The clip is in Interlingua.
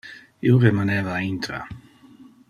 Io remaneva intra.